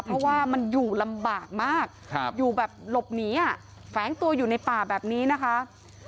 เพราะว่ามันอยู่ลำบากมากอยู่แบบหลบหนีแฝงตัวอยู่ในป่าแบบนี้นะคะ